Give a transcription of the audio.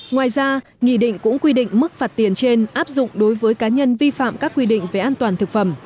ngoài ra nghị định cũng quy định mức phạt tiền trên áp dụng đối với cá nhân vi phạm các quy định về an toàn thực phẩm